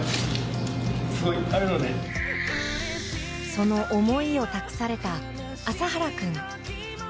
その思いを託された麻原君。